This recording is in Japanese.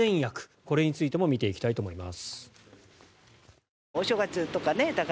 これについても見ていきたいと思います。